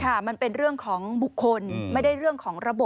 ค่ะมันเป็นเรื่องของบุคคลไม่ได้เรื่องของระบบ